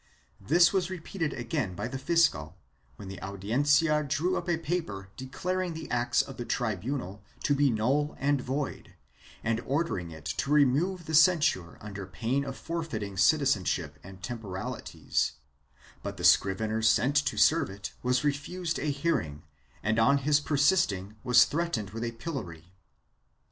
This was repeated again by the fiscal, when the Audiencia drew up a paper declaring the acts of the tribunal to be null and void and ordering it to remove the censure under pain of forfeiting citizenship and temporalities, but the scrivener sent to serve it was refused a hearing and on his persisting was threatened with the pillory.